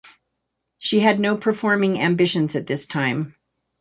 She had no performing ambitions at this time.